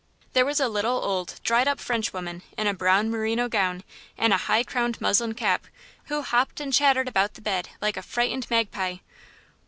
There was a little, old, dried up Frenchwoman in a brown merino gown and a high crowned muslin cap who hopped and chattered about the bed like a frightened magpie.